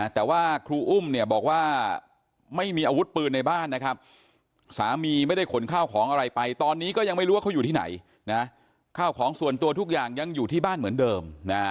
แต่ว่าครูอุ้มเนี่ยบอกว่าไม่มีอาวุธปืนในบ้านนะครับสามีไม่ได้ขนข้าวของอะไรไปตอนนี้ก็ยังไม่รู้ว่าเขาอยู่ที่ไหนนะข้าวของส่วนตัวทุกอย่างยังอยู่ที่บ้านเหมือนเดิม